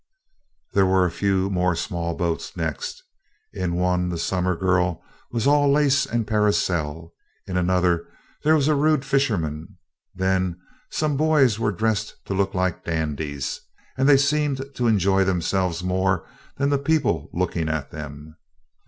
There were a few more small boats next. In one the summer girl was all lace and parasol, in another there was a rude fisherman, then; some boys were dressed to look like dandies, and they seemed to enjoy themselves more than did the people looking at them.